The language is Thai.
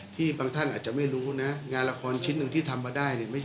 ที่บางท่านอาจจะไม่รู้นะงานละครชิ้นหนึ่งที่ทำมาได้